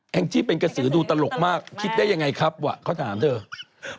งจี้เป็นกระสือดูตลกมากคิดได้ยังไงครับว่ะเขาถามเถอะ